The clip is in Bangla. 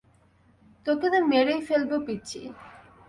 তোকে তো মেরেই ফেলব, পিচ্চি!